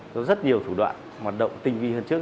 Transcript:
có rất nhiều thủ đoạn hoạt động tinh vi hơn trước